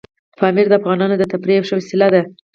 پامیر د افغانانو د تفریح یوه ښه وسیله ده.